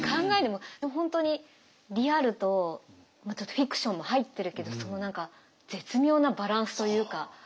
本当にリアルとちょっとフィクションも入ってるけどその何か絶妙なバランスというか。